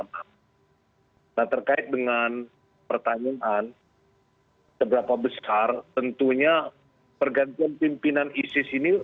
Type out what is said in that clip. nah terkait dengan pertanyaan seberapa besar tentunya pergantian pimpinan isis ini